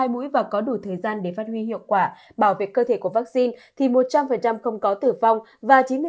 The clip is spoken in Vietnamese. mũi và có đủ thời gian để phát huy hiệu quả bảo vệ cơ thể của vắc xin thì một trăm linh không có tử vong và